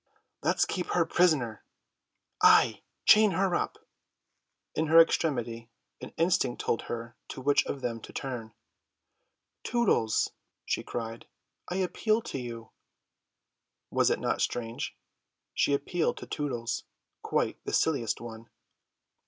"Let's keep her prisoner." "Ay, chain her up." In her extremity an instinct told her to which of them to turn. "Tootles," she cried, "I appeal to you." Was it not strange? She appealed to Tootles, quite the silliest one.